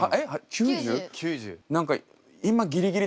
９０。